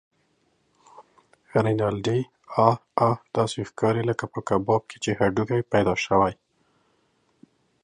رینالډي: اه اه! داسې ښکارې لکه په کباب کې چې هډوکی پیدا شوی.